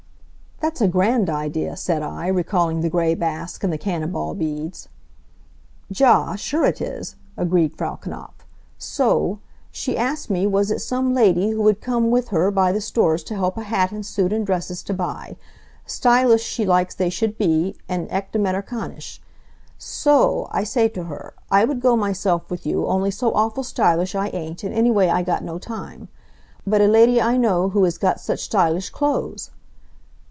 "That's a grand idea," said I, recalling the gray basque and the cannon ball beads. "Ja, sure it is," agreed Frau Knapf. "Soo o o, she asks me was it some lady who would come with her by the stores to help a hat and suit and dresses to buy. Stylish she likes they should be, and echt Amerikanisch. So o o o, I say to her, I would go myself with you, only so awful stylish I ain't, and anyway I got no time. But a lady I know who is got such stylish clothes!"